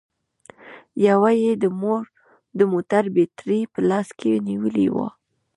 يوه يې د موټر بېټرۍ په لاس کې نيولې وه